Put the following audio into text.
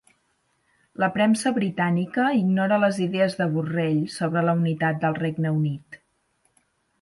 La premsa britànica ignora les idees de Borrell sobre la unitat del Regne Unit